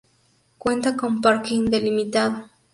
Cuenta con parking delimitado.